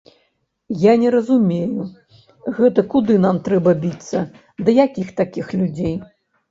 Я не разумею, гэта куды нам трэба біцца, да якіх такіх людзей?